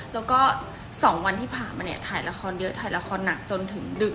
แล้วก็๒วันที่ผ่านมาเนี่ยถ่ายละครเยอะถ่ายละครหนักจนถึงดึก